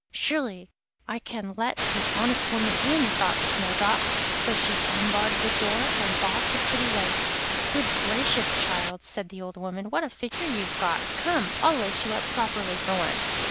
'Surely I can let the honest woman in,' thought Snowdrop; so she unbarred the door and bought the pretty lace. 'Good gracious! child,' said the old woman, 'what a figure you've got. Come! I'll lace you up properly for once.